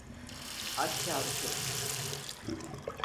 Aşağılık herif!